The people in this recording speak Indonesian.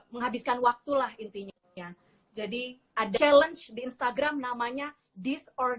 menghabiskan waktulah intinya jadi ada challenge di instagram namanya this or